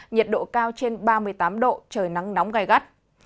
nhiệt độ cao trên ba mươi tám độ trời nắng nóng gai gắt